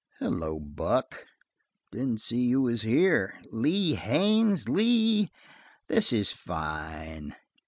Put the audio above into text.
"Hello, Buck. Didn't see you was here. Lee Haines? Lee, this is fine."